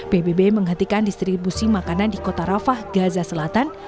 pbb menghentikan distribusi makanan di kota rafah gaza selatan